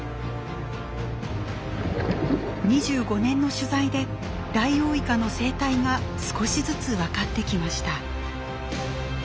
２５年の取材でダイオウイカの生態が少しずつ分かってきました。